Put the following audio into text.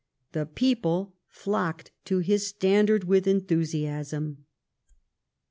The people flocked to his standard with enthusiasm.